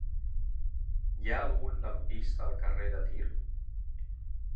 Hi ha algun lampista al carrer de Tir?